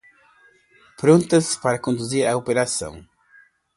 Prontas para conduzir a operação!